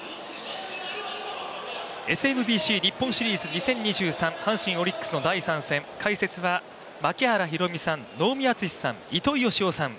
ＳＭＢＣ日本シリーズ２０２３、阪神×オリックスの第３戦、解説は槙原寛己さん、能見篤史さん、糸井嘉男さん。